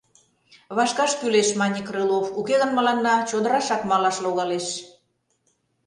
— Вашкаш кӱлеш, — мане Крылов, — уке гын мыланна чодырашак малаш логалеш.